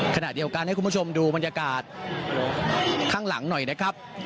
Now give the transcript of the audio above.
ขณะเดียวกันให้คุณผู้ชมดูบรรยากาศข้างหลังหน่อยนะครับ